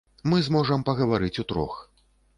Мы зможам пагаварыць утрох.